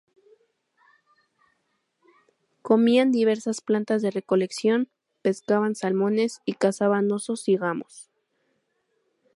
Comían diversas plantas de recolección, pescaban salmones y cazaban osos y gamos.